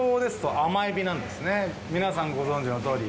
皆さんご存じのとおり。